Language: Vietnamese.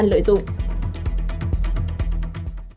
người dân dễ dàng trở thành nạn nhân